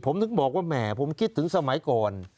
ผมถึงบอกว่าแหมผมคิดถึงสมัยก่อน